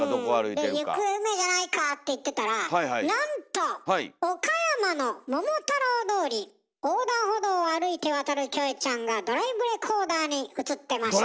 で行方不明じゃないかって言ってたらなんと岡山の桃太郎大通り横断報道を歩いて渡るキョエちゃんがドライブレコーダーに映ってました。